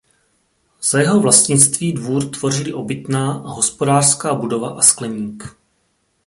Za jeho vlastnictví dvůr tvořily obytná a hospodářská budova a skleník.